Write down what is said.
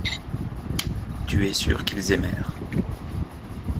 Tu es sûr qu’ils aimèrent.